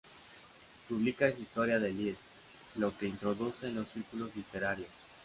Publica su "Historia de Lied", lo que lo introduce en los círculos literarios.